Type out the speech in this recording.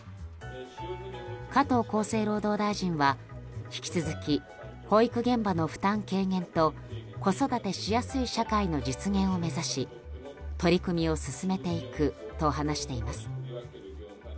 加藤厚生労働大臣は引き続き、保育現場の負担軽減と子育てしやすい社会の実現を目指し取り組みを進めていくと話しています。